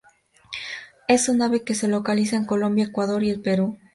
Es un ave que se localiza en Colombia, Ecuador y el Perú.